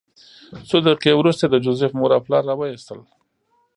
څو دقیقې وروسته یې د جوزف مور او پلار راوویستل